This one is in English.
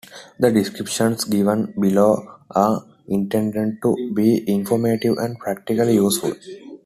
The descriptions given below are intended to be informative and practically useful.